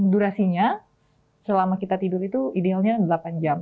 durasinya selama kita tidur itu idealnya delapan jam